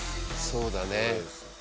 そうだね。